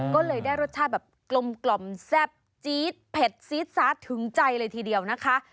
ก็เลยได้รสชาติแบบกลมแซ่บจี๊ดเผ็ดซีดซาสถึงใจเลยทีเดียวนะคะ